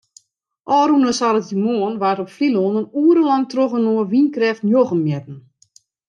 Ofrûne saterdeitemoarn waard op Flylân in oere lang trochinoar wynkrêft njoggen metten.